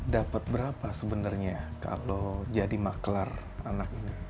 dapet berapa sebenarnya kalau jadi maklar anak ini